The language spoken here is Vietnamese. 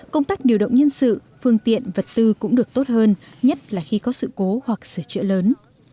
công tác điều động nhân sự phương tiện vật tư cũng được tốt hơn nhất là khi có sự cố hoặc sửa chữa lớn